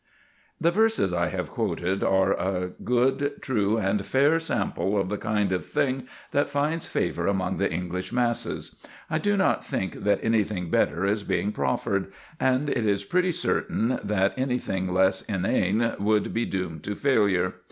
The verses I have quoted are a good, true, and fair sample of the kind of thing that finds favour among the English masses. I do not think that anything better is being proffered, and it is pretty certain that anything less inane would be doomed to failure.